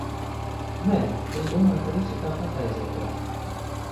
Nē, es domāju, ka visi tāpat aiziet tad.